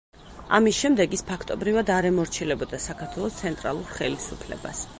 ამის შემდეგ ის ფაქტობრივად არ ემორჩილებოდა საქართველოს ცენტრალურ ხელისუფლებას.